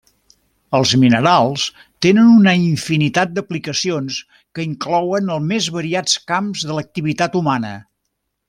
Els minerals tenen una infinitat d'aplicacions que inclouen els més variats camps de l'activitat humana.